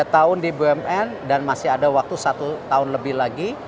tiga tahun di bumn dan masih ada waktu satu tahun lebih lagi